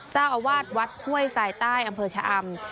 เจ้าอาวาสวัดห้วยสายใต้อำเภอชะอำ